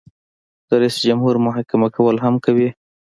د جمهور رئیس محاکمه کول هم کوي.